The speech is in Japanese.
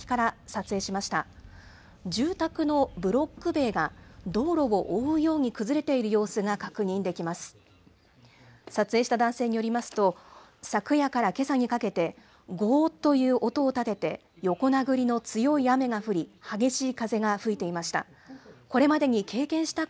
撮影した男性によりますと、昨夜からけさにかけて、ごーっという音を立てて横殴りの強い雨が降り、激しい風が吹いていました。